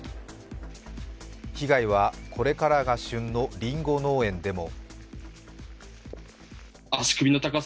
被害はこれからが旬のりんご農園でも。